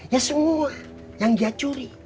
ya semua yang dia curi